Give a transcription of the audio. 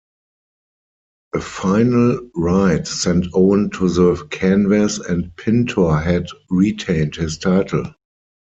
A final right sent Owen to the canvas and Pintor had retained his title.